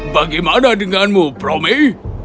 bagaimana denganmu prometheus